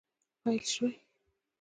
پیل شوي